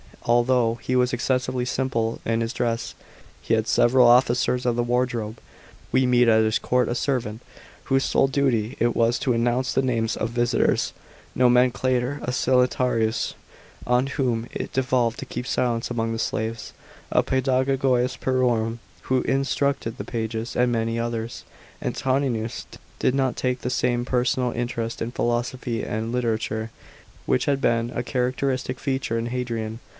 Although he was excessively simple in his dress, he had several officers of the wardrobe. We meet at his court a servant, whose sole duty it was to announce the names of visitors (nonienclator\ a silentiarius, on whom it devolved to keep silence among the slaves, a pxdagoyus pu<rorum, who instructed the pages, and many others. Antoninus did not take the same personal interest in philosophy and literature, which had been a characteristic feature in Hadrian.